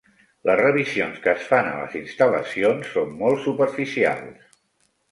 Les revisions que es fan a les instal·lacions són molt superficials.